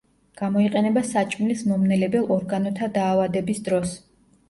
გამოიყენება საჭმლის მომნელებელ ორგანოთა დაავადების დროს.